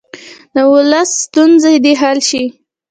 د ولس ستونزې دې حل شي.